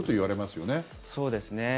そうですね。